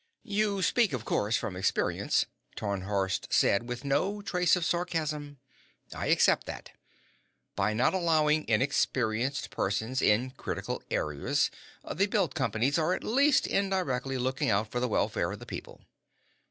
"You speak, of course, from experience," Tarnhorst said with no trace of sarcasm. "I accept that. By not allowing inexperienced persons in critical areas, the Belt Companies are, at least indirectly, looking out for the welfare of the people.